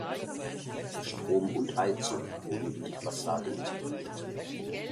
Strom und Heizung wurden in die Fassade integriert.